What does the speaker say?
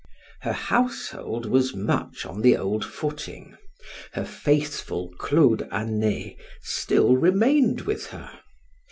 Her household was much on the old footing; her faithful Claude Anet still remained with her.